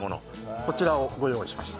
こちらをご用意しました。